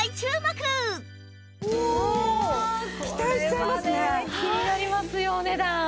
これはね気になりますよお値段。